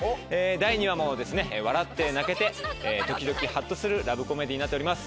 第２話も笑って泣けて時々ハッとするラブコメディーになっております。